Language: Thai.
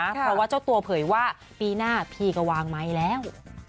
เพราะว่าเจ้าตัวเผยว่าปีหน้าพี่ก็วางไมค์แล้ว